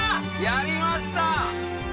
やりました。